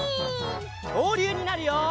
きょうりゅうになるよ！